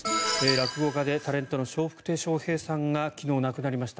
落語家でタレントの笑福亭笑瓶さんが昨日亡くなりました。